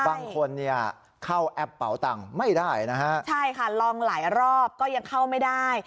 บางคนเนี่ยเข้าแอปเป่าตังค์ไม่ได้นะฮะใช่ค่ะลองหลายรอบก็ยังเข้าไม่ได้